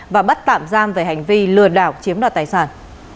và bắt tạm giam về hành vi lừa đảo chiếm đoạt tài sản